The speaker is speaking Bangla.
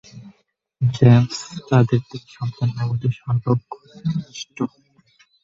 জেমস তাদের তিন সন্তানের মধ্যে সর্বকনিষ্ঠ।